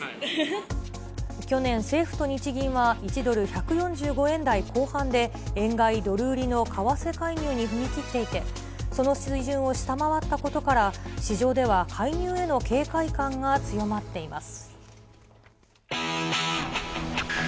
去年、政府と日銀は１ドル１４５円台後半で、円買いドル売りの為替介入に踏み切っていて、その水準を下回ったことから、市場では介入への警戒感が強まっています。